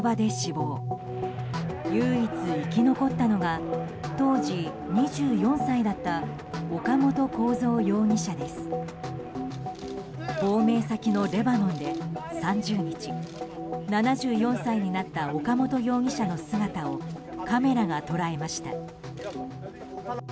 亡命先のレバノンで３０日７４歳になった岡本容疑者の姿をカメラが捉えました。